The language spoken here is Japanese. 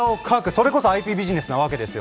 それこそＩＰビジネスなわけですよ。